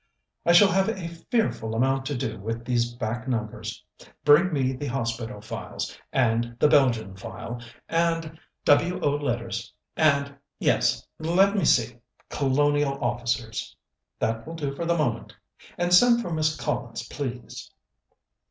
"I shall have a fearful amount to do with these back numbers. Bring me the Hospital files, and the Belgian file, and W.O. letters and yes, let me see Colonial Officers. That will do for the moment; and send for Miss Collins, please."